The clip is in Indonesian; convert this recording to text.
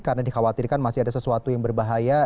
karena dikhawatirkan masih ada sesuatu yang berbahaya